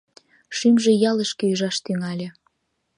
Шӱмжӧ ялышке ӱжаш тӱҥале...